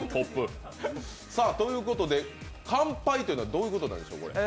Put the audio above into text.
ということで乾杯というのはどういうことなんでしょうか？